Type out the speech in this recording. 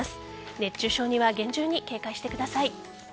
熱中症には厳重に警戒してください。